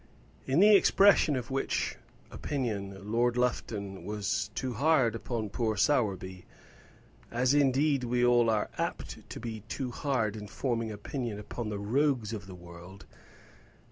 In the expression of which opinion Lord Lufton was too hard upon poor Sowerby; as indeed we are all apt to be too hard in forming an opinion upon the rogues of the world.